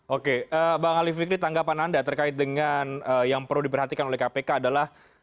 oke bang ali fikri tanggapan anda terkait dengan yang perlu diperhatikan oleh kpk adalah